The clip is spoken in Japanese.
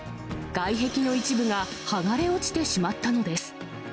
外壁の一部が剥がれ落ちてしまったのです。